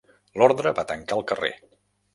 L'ordre va tancar el carrer.